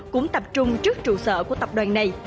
cũng tập trung trước trụ sở của tập đoàn này